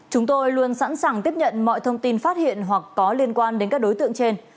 chúng tôi luôn sẵn sàng tiếp nhận mọi thông tin phát hiện hoặc có liên quan đến các đối tượng trên